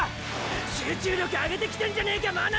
集中力上げてきてんじゃねえか真波！